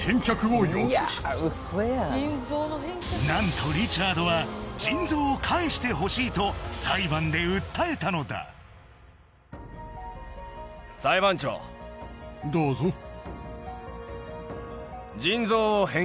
何とリチャードは腎臓を返してほしいと裁判で訴えたのだどうぞ